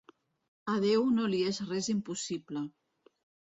A Déu no li és res impossible.